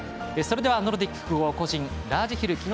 それではノルディック複合個人ラージヒル